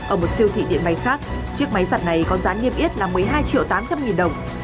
ở một siêu thị điện máy khác chiếc máy giặt này có giá niêm yết là một mươi hai triệu tám trăm linh nghìn đồng